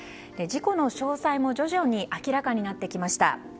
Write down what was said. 事故の詳細も徐々に明らかになってきました。